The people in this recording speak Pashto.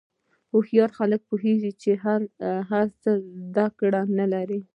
هوښیار خلک پوهېږي چې هر څه زده نه لري.